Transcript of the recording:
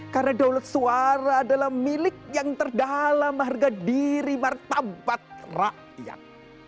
karena daulat suara adalah milik yang terdalam harga diri martabat rakyat